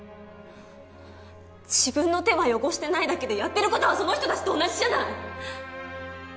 自分の手は汚してないだけでやってることはその人たちと同じじゃない。